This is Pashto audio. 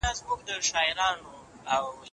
شاعر د ترنګ رود مخاطب کوي او ورسره خبرې کوي.